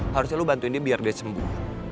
harusnya lu bantuin dia biar dia sembuh